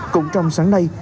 cũng trong sáng nay